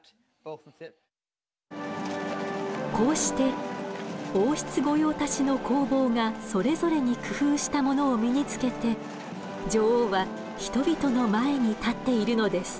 こうして王室御用達の工房がそれぞれに工夫したものを身につけて女王は人々の前に立っているのです。